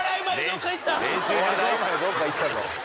どっか行ったと。